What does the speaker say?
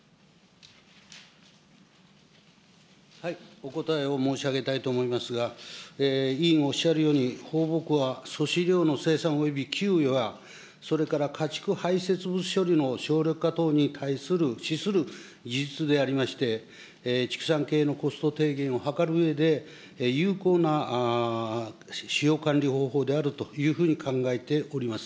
お答えを申し上げたいと思いますが、委員おっしゃるように、放牧は粗飼料の生産およびや、それから家畜排せつ物処理の少量化等に対する、資する技術でございまして、畜産系のコスト低減を図るうえで、有効な飼料管理方法であると考えております。